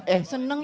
eh seneng ya